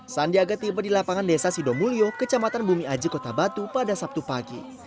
sandiaga tiba di lapangan desa sidomulyo kecamatan bumi aji kota batu pada sabtu pagi